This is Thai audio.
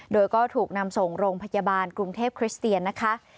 โดยก็ถูกนำส่งโรงพยาบาลกรุงเทพคริสเตียนนะคะ